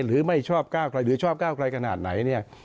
หรือไม่ชอบก้าวไกลหรือชอบก้าวไกลขนาดไหนเนี่ย